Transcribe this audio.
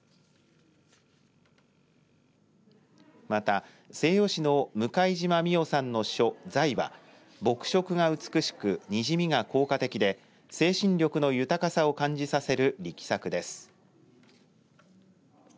また西予市の向嶋美代さんの書在は墨色が美しくにじみが効果的で精神力の豊かさを感じさせる力作です。